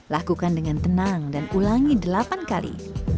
lakukan dengan tenang dan ulangi delapan kali